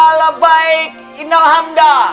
labaik innal hamda